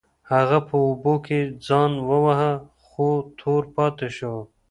هغه په اوبو کې ځان وواهه خو تور پاتې شو.